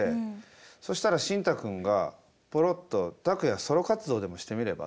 そしたらシンタくんがポロッと「タクヤソロ活動でもしてみれば？」